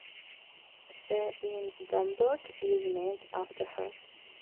The in Domburg is named after her.